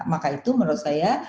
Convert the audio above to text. maka itu menurut saya